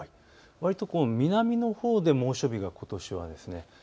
わりと南のほうで猛暑日がことしはあるんです。